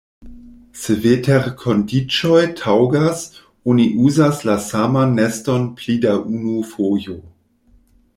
Se veterkondiĉoj taŭgas, oni uzas la saman neston pli da unu fojo.